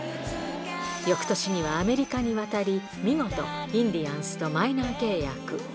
よくとしには、アメリカに渡り、見事、インディアンスとマイナー契約。